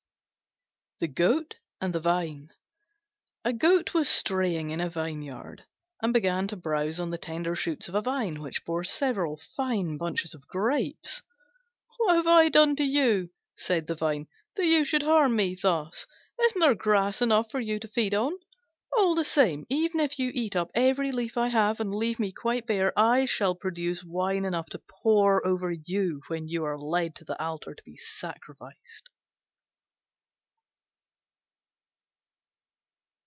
THE GOAT AND THE VINE A Goat was straying in a vineyard, and began to browse on the tender shoots of a Vine which bore several fine bunches of grapes. "What have I done to you," said the Vine, "that you should harm me thus? Isn't there grass enough for you to feed on? All the same, even if you eat up every leaf I have, and leave me quite bare, I shall produce wine enough to pour over you when you are led to the altar to be sacrificed."